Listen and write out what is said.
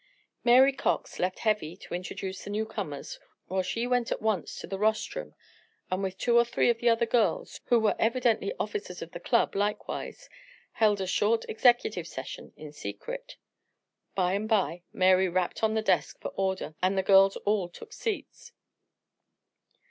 Mary Cox left Heavy to introduce the newcomers while she went at once to the rostrum and with two or three of the other girls who were evidently officers of the club, likewise held a short executive session in secret. By and by Mary rapped on the desk for order, and the girls all took seats.